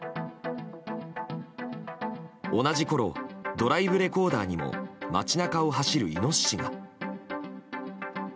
同じころドライブレコーダーにも街中を走るイノシシが。